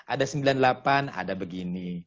ada sembilan puluh delapan ada begini